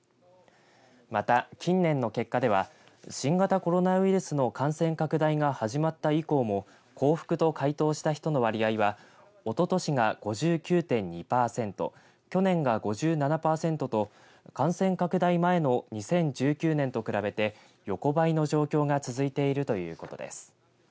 また近年の結果では新型コロナウイルスの感染拡大が始まった以降も幸福と回答した人の割合はおととしが５９．２％、去年が５７％と感染拡大前の２０１９年と比べて横ばいの状況が続いているということです。